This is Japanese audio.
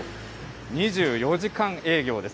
２４時間営業です。